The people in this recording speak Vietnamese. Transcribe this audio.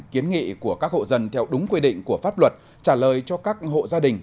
kiến nghị của các hộ dân theo đúng quy định của pháp luật trả lời cho các hộ gia đình